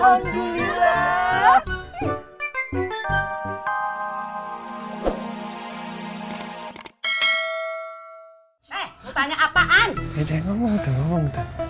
eh mau tanya apaan